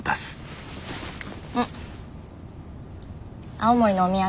青森のお土産。